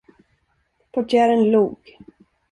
Portieren log.